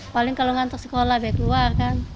paling kalau ngantuk sekolah baik luar kan